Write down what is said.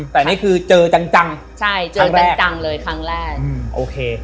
แต่อันนี้คือเจอจังครั้งแรก